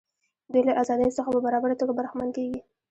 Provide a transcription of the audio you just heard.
دوی له ازادیو څخه په برابره توګه برخمن کیږي.